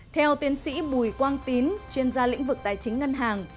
theo tiến sĩ bùi quang tín chuyên gia lĩnh vực tài chính ngân hàng